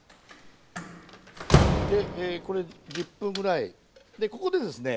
でこれ１０分ぐらいでここでですね